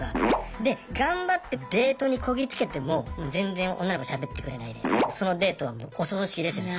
で頑張ってデートにこぎつけても全然女の子しゃべってくれないでそのデートはもうお葬式ですよね。